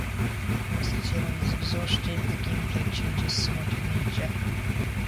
Once the talon is exhausted, the game play changes somewhat in nature.